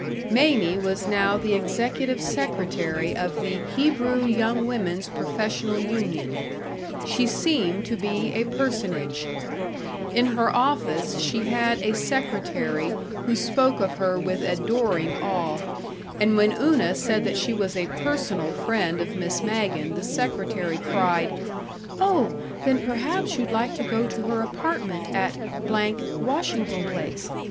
Mamie was now the executive secretary of the Hebrew Young Women's Professional Union. She seemed to be a personage. In her office she had a secretary who spoke of her with adoring awe, and when Una said that she was a personal friend of Miss Magen the secretary cried: "Oh, then perhaps you'd like to go to her apartment, at Washington Place.